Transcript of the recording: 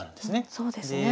そうですね。